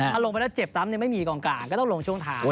ถ้าลงไปแล้วเจ็บซ้ำไม่มีกองกลางก็ต้องลงช่วงท้าย